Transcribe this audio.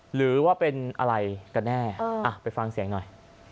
หรือว่าเป็นอะไรกันแน่ไปฟังเสียงหน่อย